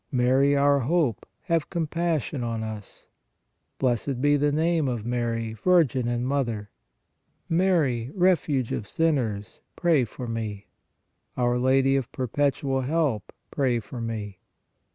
Mary, our hope, have compassion on us. Blessed be the name of Mary, Virgin and Mother. Mary, Refuge of sin ners, pray for me. Our Lady of Perpetual Help, pray for me.